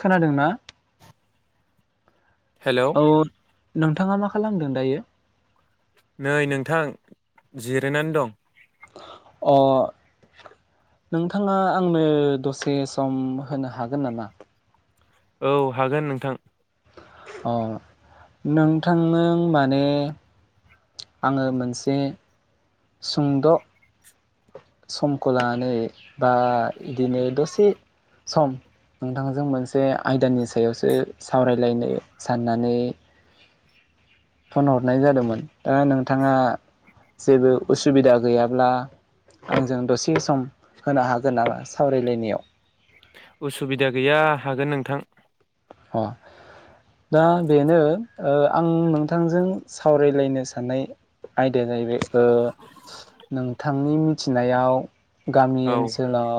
खोनादोंना [inaudible] औ नोंथाङा मा खालामदों दायो? नै नोंथां जिरायनानै दं। अ नोंथाङा आंनो दसे सम होनो हागोन नामा? औ हागोन नोंथां। अ नोंथांजों माने आङो मोनसे सुंद' समखौ लानानै बा इदिनो दसे सम नोंथांजों मोनसे आयदानि सायावसो सावरायलायनो साननानै फन हरनाय जादोंमोन दा नोंथाङा जेबो उसुबिदा गैयाब्ला आंजों दसे सम होनो हागोन नामा सावरायलायनायाव? उसुबिदा गैया हागोन नोंथां। अ दा बेनो ओ आं नोंथांजों सावरायलायनो साननाय आयदाया जाहैबाय ओ नोंथांनि मिथिनायाव गामि औ ओनसोलाव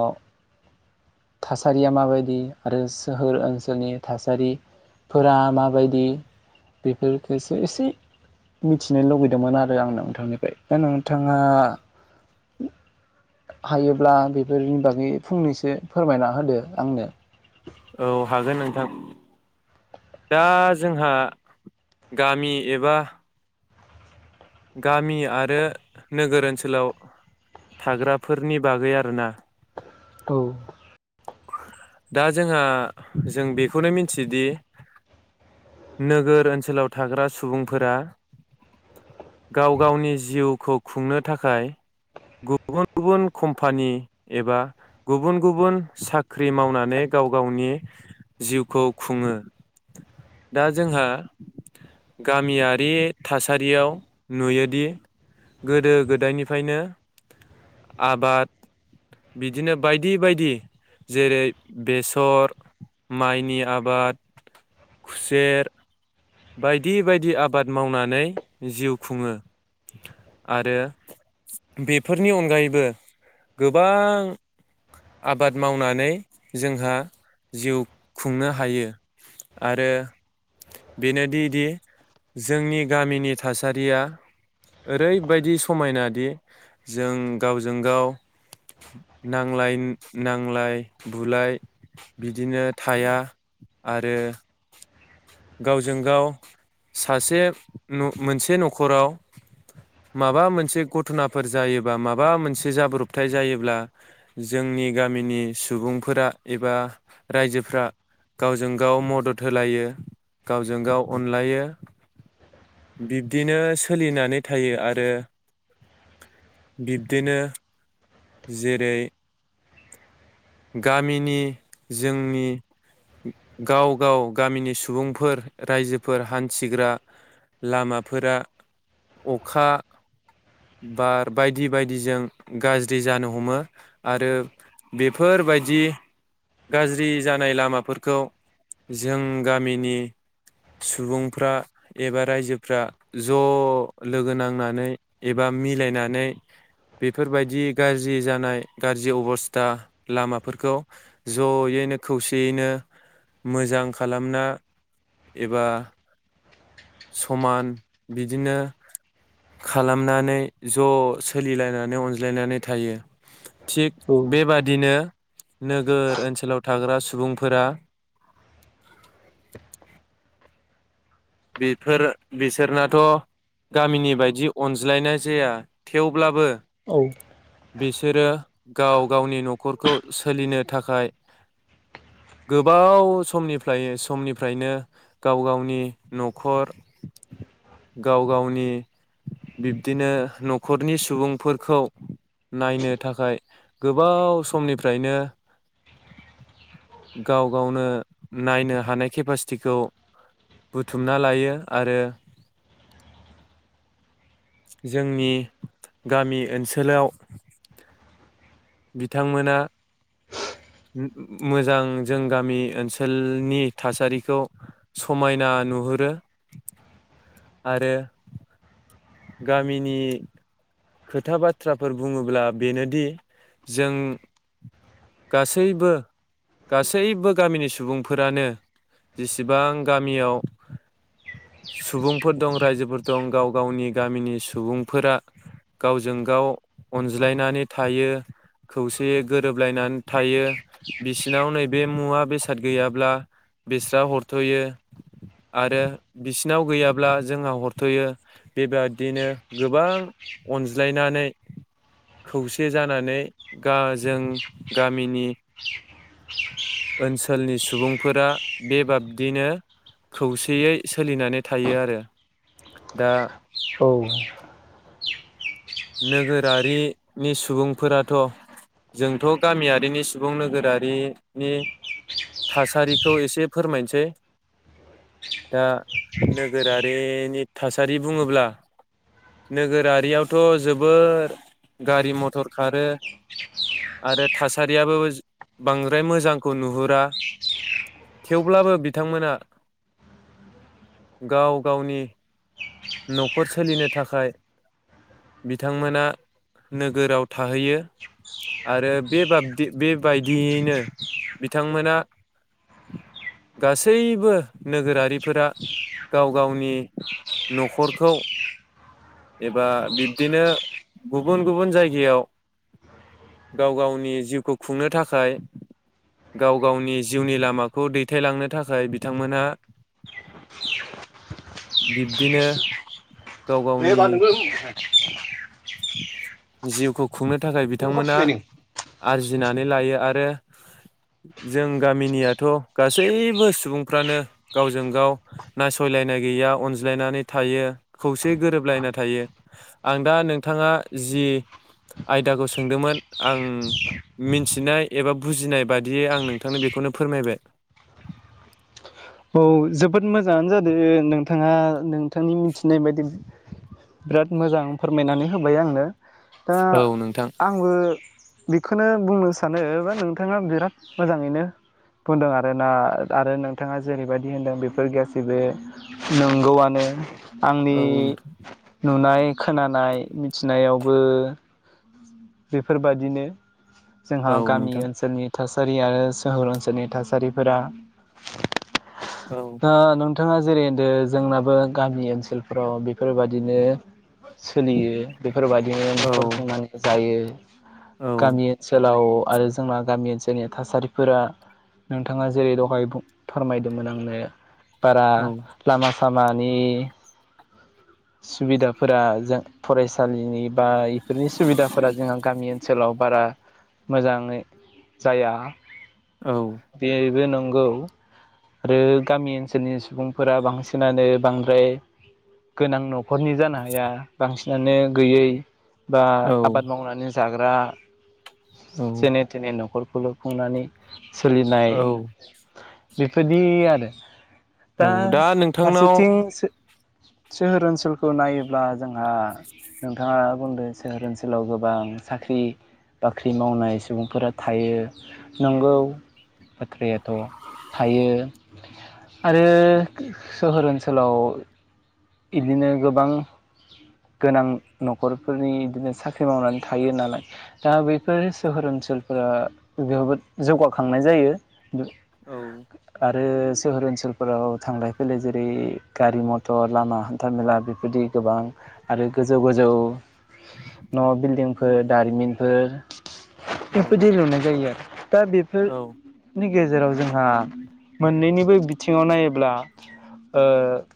थासारिया माबायदि आरो सोहोर ओनसोलनि थासारि फोरा माबायदि बेफोरखौसो एसे मिथिनो लुबैदोंमोन आरो आं नोंथांनिफ्राय दा नोंथाङा हायोब्ला बेफोरनि बागै फंनैसो फोरमायना होदो आंनो औ हागोन नोंथां दा जोंहा गामि एबा गामि आरो नोगोर ओनसोलाव थाग्राफोरनि बागै आरोना औ दा जोंहा जों बेखौनो मिथियोदि नोगोर ओनसोलाव थाग्रा सुबुंफोरा गाव गावनि जिउखौ खुंनो थाखाय गुबुन गुबुन कम्पानि एबा गुबुन गुबुन साख्रि मावनानै गाव गावनि जिउखौ खुङो। दा जोंहा गामियारि थासारियाव नुयोदि गोदो गोदायनिफ्रायनो आबाद बिदिनो बायदि बायदि जेरै बेसर माइनि आबाद खुसेर बायदि बायदि आबाद मावनानै जिउ खुङो आरो बेफोरनि अनगायैबो गोबां आबाद मावनानै जोंहा जिउ खुंनो हायो। आरो बेनोदि दि जोंनि गामिनि थासारिया ओरैबायदि समायनादि जों गावजों गाव नांलाय नांलाय बुलाय बिदिनो थाया आरो गावजों गाव सासे मोनसे न'खराव माबा मोनसे गथ'नाफोर जायोबा माबा मोनसे जाब्रबथाय जायोब्ला जोंनि गामिनि सुबुंफोरा एबा रायजोफ्रा गावजों गाव मदद होलायो। गावजों गाव अनलायो बिब्दिनो सोलिनानै थायो आरो बिब्दिनो जेरै गामिनि जोंनि गाव गाव गामिनि सु सुबुंफोर रायजोफोर हान्थिग्रा लामाफोरा अखा बार बायदि बायदिजों गाज्रि जानो हमो आरो बेफोरबायदि गाज्रि जानाय लामाफोरखौ जों गामिनि सुबुंफ्रा एबा रायजोफ्रा ज' लोगो नांनानै एबा मिलायनानै बेफोरबायदि गाज्रि जानाय गाज्रि अबस्था लामाफोरखौ ज'यैनो खौसेयैनो मोजां खालाम ना एबा समान बिदिनो खालामनानै ज' सोलिलायनानै अनज्लायनानै थायो। थिग बेबादिनो नोगोर ओनसोलाव थाग्रा सुबुंफोरा बेफोर बिसोरनाथ' गामिनि बायदि अनज्लायनाय जाया थेवब्लाबो औ बिसोरो गाव गावनि न'खरखौ सोलिनो थाखाय गोबाव समनिफ्राय समनिफ्रायनो गाव गावनि न'खर गाव गावनि बिब्दिनो न'खरनि सुबुंफोरखौ नायनो थाखाय गोबाव समनिफ्रायनो गाव गावनो नायनो हानाय केपासिटिखौ बुथुमना लायो आरो जोंनि गामि ओनसोलाव बिथांमोना मोजां जों गामि ओनसोलनि थासारिखौ समायना नुहुरो आरो गामिनि खोथा बाथ्राफोर बुङोब्ला बेनोदि जों गासैबो गासैबो गामिनि सुबुंफोरानो जेसेबां गामियाव सुबुंफोर दं रायजोफोर दं गाव गावनि गामिनि सुबुंफोरा गावजों गाव अनज्लायनानै थायो खौसेयै गोरोबलायनानै थायो बिसिनाव नैबे मुवा बेसाद गैयाब्ला बिस्रा हरथ'यो आरो बिसिनाव गैयाब्ला जोंहा हरथ'यो बेबादिनो गोबां अनज्लायनानै खौसे जानानै गा जों गामिनि ओनसोलनि सुबुंफोरा बेबाबदिनो खौसेयै सोलिनानै थायो आरो दा औ। नोगोरारिनि सुबुंफोराथ' जोंथ' गामियारिनि सुबुं नोगोरारिनि थासारिखौ एसे फोरमायनोसै दा नोगोरारिनि थासारि बुङोब्ला नोगोरारियाव थ' जोबोर गारि मथर खारो आरो थासारियाबो बांद्राय मोजांखौ नुहुरा थेवब्लाबो बिथांमोना गाव गावनि न'खर सोलिनो थाखाय बिथांमोना नोगोराव थाहैयो आरो बे बाब बेबायदियैनो बिथांमोना गासैबो नोगोरारिफोरा गाव गावनि न'खरखौ एबा बिब्दिनो गुबुन गुबुन जायगायाव गाव गावनि जिउखौ खुंनो थाखाय गाव गावनि जिउनि लामाखौ दैथायलांनो थाखाय बिथांमोनहा बिब्दिनो गाव गावनि [unintelligible] [inaudible] जिउखौ खुंनो थाखाय बिथांमोना औ आरजि जिनानै लायो आरो जों गामिनियाथ' गासैबो सुबुंफ्रानो गावजों गाव नासयलायनाय गैया अनज्लायनानै थायो खौसे गोरोबलायना थायो। आं दा नों थाङा जि आयदाखौ सोंदोंमोन आं मिथिनाय एबा बुजिनाय बादियै आं नोंथांनो बेखौनो फोरमायबाय। औ जोबोद मोजाङानो जादों नोंथाङा नोंथांनि मिथिनाय बायदि बिराद मोजां फोरमायनानै होबाय आंनो। दा औ नोंथां आंबो बेखोनो बुंनो सानो बा नोंथाङा बिराद मोजाङैनो बुंदों आरोना आरो नोंथाङा जेरैबायदि होनदों बेफोर गासैबो नंगौआनो। आंनि औ नोंथां नुनाय खोनानाय मिथिनायावबो बेफोरबादिनो। जोंहा औ गामि नोंथां ओनसोलनि थासारि आरो सहर ओनसोलनि थासारिफोरा औ आ नों थाङा जेरै होनदो जोंनाबो गामि ओनस सोलफोराव बेफोरबाद दिनो सोलियो बेफोरबायदिनो औ न'खरखुंनानैबो जायो। औ गामि ओनसोलाव आरो जोंना गामि ओनसोलनि थासारिफोरा नोंथाङा जेरै दहाय बु फोरमायदोंमोन आंनो बारा औ लामा सामानि सुबिदाफोरा जों फरायसालिनि बा इफोरनि सुबिदाफोरा जोंहा गामि ओनसोलाव बारा मोजाङै जाया। औ बेबो नों नंगौ आरो गामि ओनसोलनि सुबुंफोरा बांसिनानो बांद्राय गोनां न' खरनि जानो हाया बांसि मानो गैयै बा औ आबाद मावनानै जाग्रा औ जेने थेने न'खर खुनु खुंनानै सोलिनाय औ जेफोरदि आरो दा औ नोंथांनाव फारसेथिं सो [inaudible] सोहोर ओनसोलखौ नायोब्ला जोंहा नोंथाङा बुंदों सोहोर ओनसोलाव गोबां साख्रि-बाख्रि मावनाय सुबुंफोरा थायो। नंगौ औ बाथ्रायाथ' थायो। आरो सोहोर ओनसोलाव इदिनि गोबां गोनां न'खरफोरनि इदिनो साख्रि मावनानै थायो नालाय दा बैफोर सोहोर ओनसोलफोरा जोबोद जौगाखांनाय जायो। गो आद औ आरो सोहोर ओनसोलफोराव थांलाय फैलाय जेरै गारि-मथर लामा हान्था मेला बेफोरदि गोबां आरो गोजौ गोजौ न' बिल्डिंफोर दारिमिनफोर औ बेफोरदि लुनाय जायो आरो दा औ बेफोरनि गेजेराव जोंहा मोननैनिबो बिथिंङाव नाय ब्ला ओ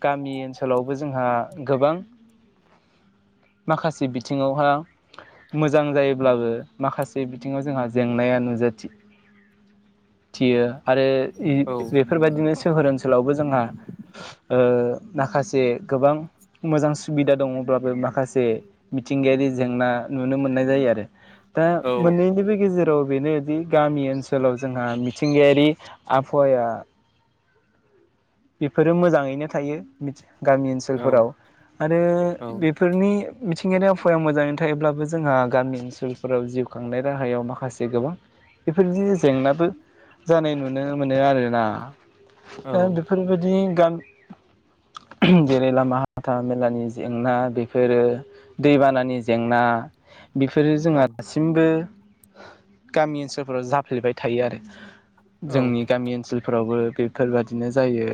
गामि ओन सोलावबो जोंहा गोबां माखासे बिथिङावहा मोजां जायोब्लाबो माखासे बिथिंङाव जोंहा जेंनाया नुजा थि-थियो। आरो इ औ बेफोरबायदिनो सोहोर ओनसोलावबो जोंहा ओ दाखासे गोबां मोजां सुबिदा दङब्लाबो माखासे जे मिथिंगायारि जेंना नुनो मोननाय जायो आरो दा औ मोन्नैनिबो गेजेराव बेनोदि गामि ओनसोलाव जोंहा मिथिंगायारि आबहावाया बेफोरो मोजांङैनो थायो मिथि गामि औ ओनसोलफोराव आरो औ बेफोरनि मिथिंगायारि आबहावाया मोजांङै थायोब्लाबो जोंहा गामि ओनसोलफोराव जिउ खांनाय राहायाव माखासे गोबां बेफोरबायदि जेंनाबो जानाय नुनो मोनो आरोना औ दि गान जेरै लामा हाथा मेलानि जेंना बेफोरो दैबानानि जेंना बेफोरो जोंहा दासिमबो गामि ओनसोलफोराव जाफ्लेबाय थायो आरो जोंनि गामि ओनसोल फोरावबो बेफोरबायादिनो जायो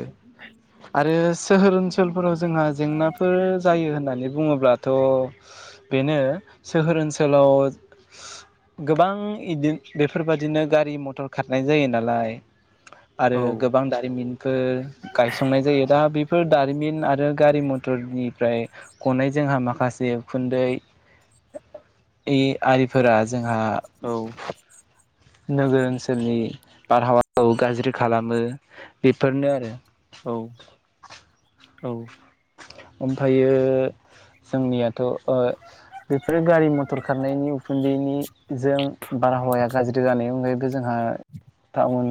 आरो सोहोर ओनसोलफोराव जोंहा जेंनाफोर जायो होननानै बुङोब्लाथ बेनो सोहोर ओनसोलाव गोबां इदि बेफोरबादिनो गारि मथर खारनाय जायो नालाय आरो गोबां दारिमिन फोर गायसंनाय जायो दा बेफोर दारिमिन आरो गारि मथरनिफ्राय गनाय जोंहा माखासे उखुन्दै ए आरिफोरा जोंहा नोगोर ओनसोलनि बारहावाखौ गाज्रि खालामो बेफोरनो आरो औ औ ओमफ्रायो जोंनियाथ' ओ बेफोरो गारि मथर खारनायनि उखुन्दैनि जों बारहावाया गाज्रि जानायनि अनगायैबो जोंहा टाउन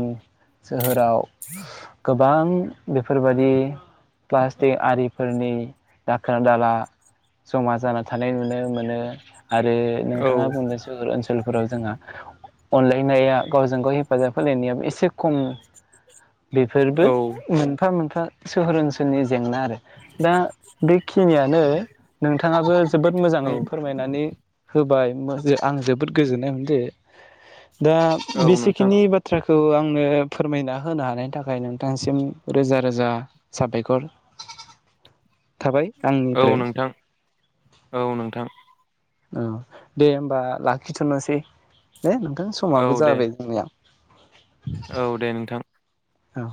सोहोर सोहोराव गोबां गोबां बेफोरबायदि प्लास्टिक आरि फोरनि दाखोर दाला जमा जाना थानाय नुनो मोनो आरो नोंथाङा बुंदों सोहर ओनसोल फोराव जोंहा अनलायनाया गावजों गाव हेफाजाब होलायनायाबो एसे खम बेफोरबो मोनफा मोनफा सोहोर ओनसोलनि जेंना आरो दा बेखिनियानो नोंथाङाबो जोबोद औ मोजाङै फोरमायनानै होबाय आं जोबोद गोजोननाय मोनदों दा औ नोंथां बेसेखिनि बाथ्राखौ खौ आंनो फोरमायना होनो हानायनि थाखाय नोंथांसिम रोजा रोजा साबायखर थाबाय औ आंनिफ्राय नोंथां औ नोंथां औ दे होमबा लाखिथ'नोसै दे नोंथांनि औ समाबो दे जाबाय जोंनिया औ दे नोंथां औ